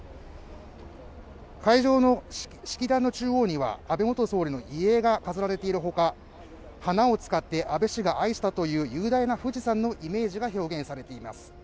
会場の式壇の中央には安倍元総理の遺影が飾られているほか花を使って安倍氏が愛したという雄大な富士山のイメージが表現されています